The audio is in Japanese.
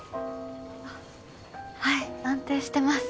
あっはい安定してます